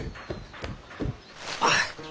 あっ！